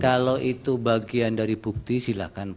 kalau itu bagian dari bukti silakan pak